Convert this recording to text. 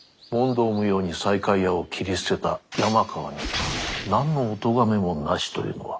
無用に西海屋を斬り捨てた山川に何のお咎めもなしというのは？